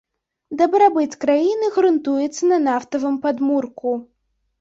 Дабрабыт краіны грунтуецца на нафтавым падмурку.